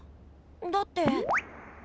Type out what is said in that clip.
だって。